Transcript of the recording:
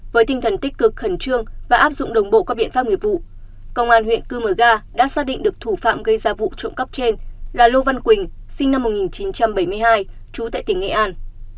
với tinh thần tích cực khẩn trương và áp dụng đồng bộ các biện pháp nghiệp vụ công an huyện cư mờ ga đã xác định được thủ phạm gây ra vụ trộm cắp trên là lô văn quỳnh sinh năm một nghìn chín trăm bảy mươi hai trú tại tỉnh nghệ an